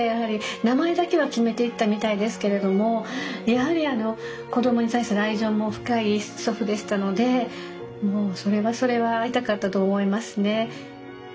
名前だけは決めていったみたいですけれどもやはりあの子供に対する愛情も深い祖父でしたのでもうそれはそれは会いたかったと思いますね。